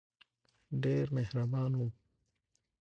ډېر مهربان وو.